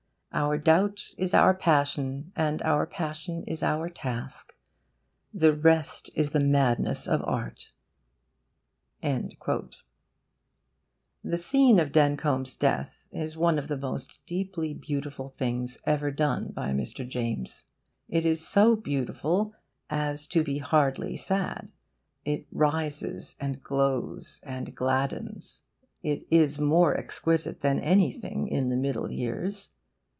Our doubt is our passion and our passion is our task. The rest is the madness of art.'" The scene of Dencombe's death is one of the most deeply beautiful things ever done by Mr. James. It is so beautiful as to be hardly sad; it rises and glows and gladdens. It is more exquisite than anything in THE MIDDLE YEARS.